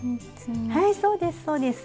はいそうですそうです。